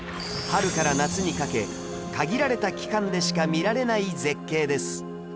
春から夏にかけ限られた期間でしか見られない絶景です